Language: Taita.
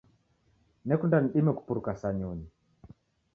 Nekunda nidime kupuruka sa nyonyi